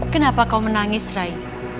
kenapa kau menangis rai